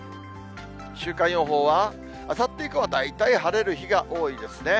週間予報は、あさって以降は大体晴れる日が多いですね。